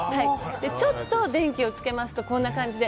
ちょっと電気をつけますと、こんな感じで。